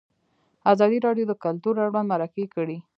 ازادي راډیو د کلتور اړوند مرکې کړي.